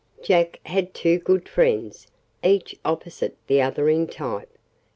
Jack had two good friends, each opposite the other in type.